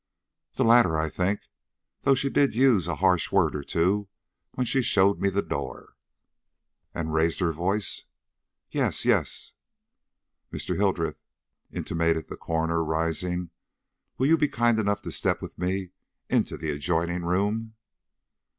"The latter, I think, though she did use a harsh word or two when she showed me the door." "And raised her voice?" "Yes, yes." "Mr. Hildreth," intimated the coroner, rising, "will you be kind enough to step with me into the adjoining room?"